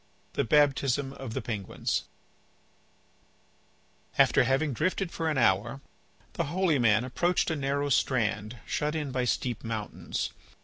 THE BAPTISM OF THE PENGUINS After having drifted for an hour the holy man approached a narrow strand, shut in by steep mountains.